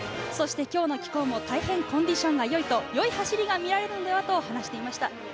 そして今日の気候も大変コンディションが良いと良い走りが見られるのではと話していました。